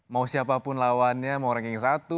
mau siapapun lawannya mau ranking satu